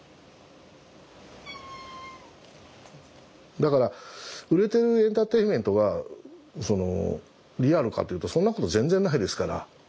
だから売れてるエンターテインメントがリアルかっていうとそんなこと全然ないですから。